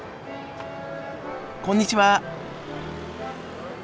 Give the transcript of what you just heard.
こんにちは。